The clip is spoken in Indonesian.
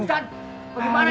ustadz bagaimana ini